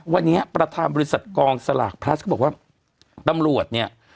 วันนี้ประธานบริษัทกองสลากพลัสก็บอกว่าตำรวจเนี่ย